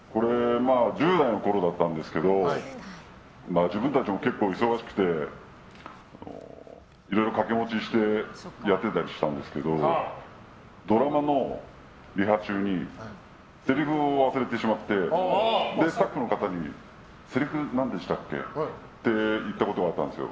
１０代のころだったんですけど自分たちも結構忙しくていろいろ掛け持ちしてやってたりしたんですけどドラマのリハ中にせりふを忘れてしまってスタッフの方にせりふ何でしたっけ？って言ったことがあったんですよ。